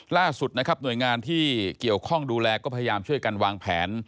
ล่าสุดนะครับหน่วยงานที่เกี่ยวข้องดูแลก็พยายามช่วยกันวางแผน